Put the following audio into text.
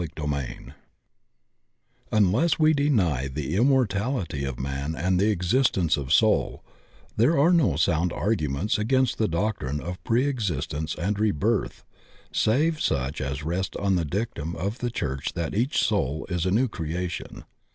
CHAPTER X UNLESS we deny the immortality of man and the existence of soul, there are no sound arguments against the doctrine of preexistence and re birth save such as rest on the dictum of the church that each soul is a new creation.